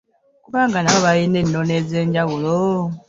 Kubanga nabo balina ennono ez'enjawulo .